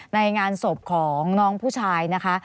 ในงานศพของน้องผู้ชายนะคะ